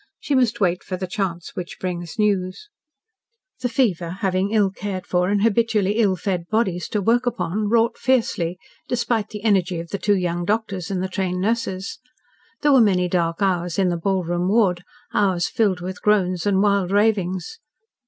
She must wait for the chance which brings news. ..... The fever, having ill cared for and habitually ill fed bodies to work upon, wrought fiercely, despite the energy of the two young doctors and the trained nurses. There were many dark hours in the ballroom ward, hours filled with groans and wild ravings.